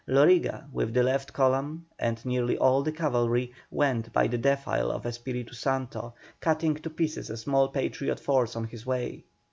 Loriga, with the left column and nearly all the cavalry, went by the defile of Espiritu Santo, cutting to pieces a small Patriot force on his way.